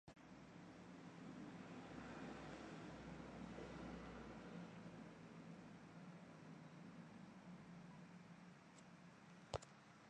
他在大日本帝国陆军创立初期至日俄战争期间活跃。